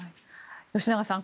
吉永さん